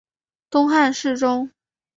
东汉侍中。